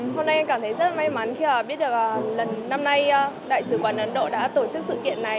hôm nay em cảm thấy rất may mắn khi biết được lần năm nay đại sứ quán ấn độ đã tổ chức sự kiện này